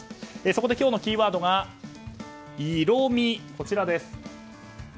そこで今日のキーワードがイロミです。